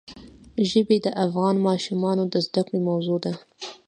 ژبې د افغان ماشومانو د زده کړې موضوع ده.